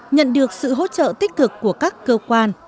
nhận được sự hỗ trợ tích cực của các cơ quan